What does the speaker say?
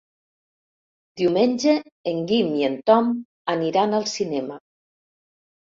Diumenge en Guim i en Tom aniran al cinema.